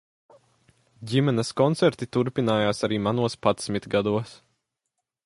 Ģimenes koncerti turpinājās arī manos padsmit gados.